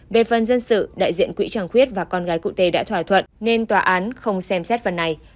về phân dân sự đại diện quỹ tràng quyết và con gái cụ t đã thỏa thuận nên tòa án không xem xét phần này